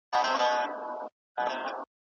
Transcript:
زنځيرونه